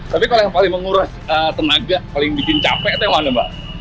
tapi kalau yang paling menguras tenaga paling bikin capek itu yang mana mbak